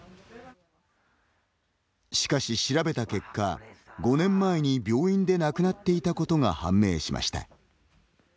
しかし調べた結果、５年前に病院で亡くなっていたことが判明しました。